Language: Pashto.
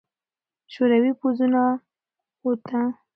شوروي پوځونه ووته.